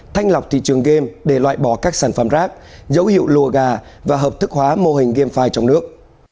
thanh lọc thị trường game để loại bỏ các sản phẩm rác dấu hiệu lùa gà và hợp thức hóa mô hình game trong nước